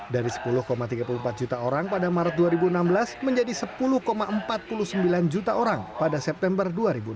dari sepuluh tiga puluh empat juta orang pada maret dua ribu enam belas menjadi sepuluh empat puluh sembilan juta orang pada september dua ribu enam belas